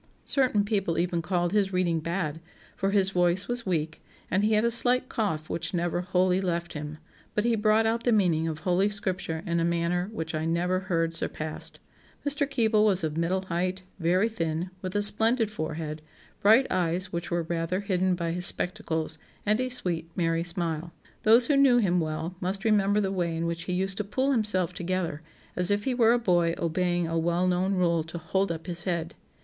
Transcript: Certain people even called his reading bad, for his voice was weak, and he had a slight cough which never wholly left him; but he brought out the meaning of Holy Scripture in a manner which I never heard surpassed. Mr. Keble was of middle height, very thin, with a splendid forehead, bright eyes which were rather hidden by his spectacles, and a sweet merry smile. Those who knew him well must remember the way in which he used to pull himself together, as if he were a boy obeying a well known rule to 'hold up his head.